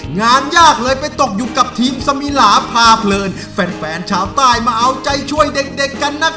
งานยากเลยไปตกอยู่กับทีมสมิลาพาเพลินแฟนชาวใต้มาเอาใจช่วยเด็กกันนะครับ